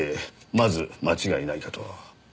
まず間違いないかと。